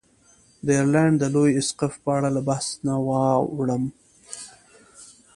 د ایرلنډ د لوی اسقف په اړه له بحث نه واوړم.